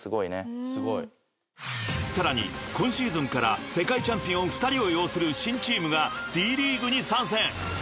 ［さらに今シーズンから世界チャンピオン２人を擁する新チームがＤ．ＬＥＡＧＵＥに参戦］